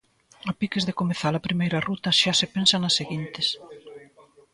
A piques de comezar a primeira ruta xa se pensa nas seguintes.